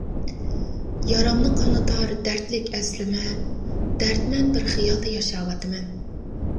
يارامنى قانىتار دەردلىك ئەسلىمە، دەردمەن بىر خىيالدا ياشاۋاتىمەن.